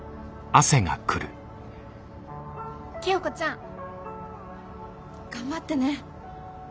清子ちゃん！頑張ってね！